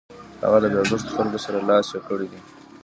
هغه له بې ارزښتو خلکو سره لاس یو کړی دی.